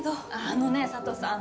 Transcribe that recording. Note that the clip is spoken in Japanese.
あのね佐都さん